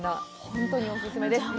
本当にお勧めです。